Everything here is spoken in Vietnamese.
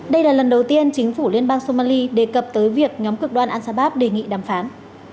đây là lần đầu tiên chính phủ liên bang somali đề cập tới việc nhóm cực đoan al sabab đề nghị đàm phán